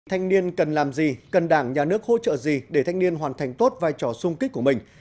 thanh niên cần làm gì cần đảng nhà nước hỗ trợ gì để thanh niên hoàn thành tốt vai trò sung kích của mình